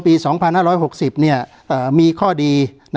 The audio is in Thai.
การแสดงความคิดเห็น